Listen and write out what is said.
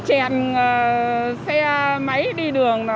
các ông ấy chẹn xe máy đi đường